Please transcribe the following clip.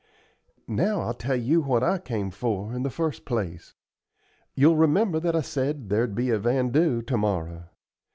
Now, I'll tell you what I come for, in the first place. You'll remember that I said there'd be a vandoo to morrow.